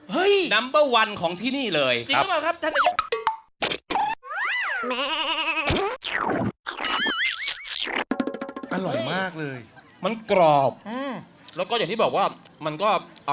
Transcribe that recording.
อร่อยมากครับ